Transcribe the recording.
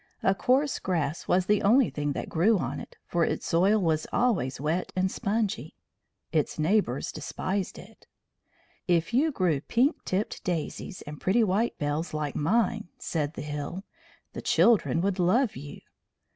A coarse grass was the only thing that grew on it, for its soil was always wet and spongy. Its neighbours despised it. "If you grew pink tipped daisies and pretty white bells like mine," said the Hill, "the children would love you."